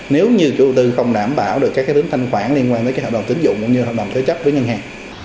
nếu như chủ đầu tư không đảm bảo được các tính thanh khoản liên quan đến hợp đồng tính dụng cũng như hợp đồng thế chấp với ngân hàng